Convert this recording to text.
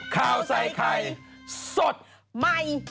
ข่าวใส่ไข่สดใหม่